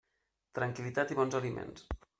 Tranquil·litat i bons aliments.